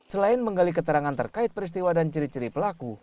selain menggali keterangan terkait peristiwa dan ciri ciri pelaku